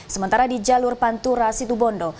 sementara di jalur pantura situbondo